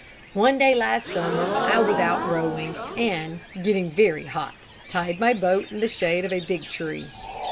"One day last summer I was out rowing, and, getting very hot, tied my boat in the shade of a big tree.